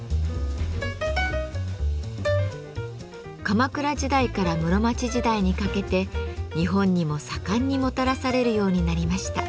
鎌倉時代から室町時代にかけて日本にも盛んにもたらされるようになりました。